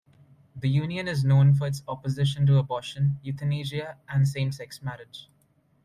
The union is known for its opposition to abortion, euthanasia and same-sex marriage.